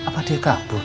gak mungkin dia kabur